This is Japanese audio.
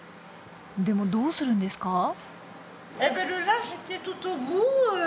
でもどうするんですか？